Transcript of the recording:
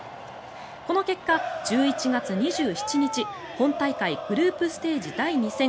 この結果、１１月２７日本大会グループステージ第２戦。